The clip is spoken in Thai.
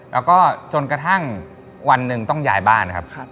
แล้วก็จนกระทั่งวันหนึ่งต้องย้ายบ้านครับ